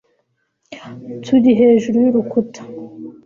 turi hejuru y'urukuta